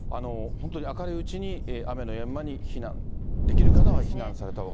本当に明るいうちに、雨のやむ間に避難、できる方は避難されたほうが。